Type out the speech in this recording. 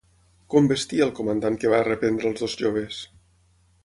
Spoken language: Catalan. Com vestia el comandant que va reprendre els dos joves?